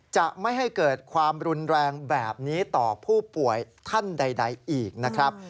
จะไม่ให้เกิดความรุนแรงแบบนี้ต่อผู้ป่วยท่านใดอีกนะครับ